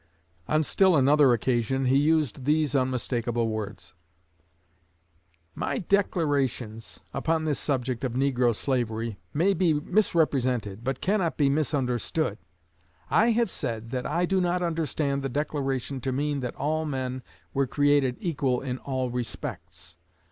On still another occasion he used these unmistakable words: My declarations upon this subject of negro slavery may be misrepresented, but cannot be misunderstood. I have said that I do not understand the Declaration to mean that all men were created equal in all respects.